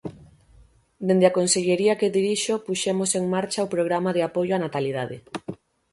Dende a Consellería que dirixo puxemos en marcha o Programa de apoio á natalidade.